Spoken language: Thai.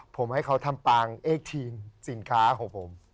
ผมให้เขาทำปางเอ็กทีนสินค้าของผม